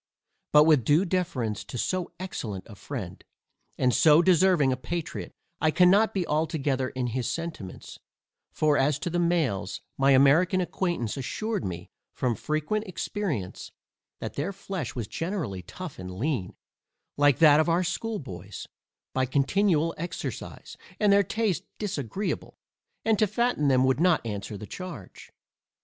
But with due deference to so excellent a friend, and so deserving a patriot, I cannot be altogether in his sentiments; for as to the males, my American acquaintance assured me from frequent experience, that their flesh was generally tough and lean, like that of our schoolboys, by continual exercise, and their taste disagreeable, and to fatten them would not answer the charge.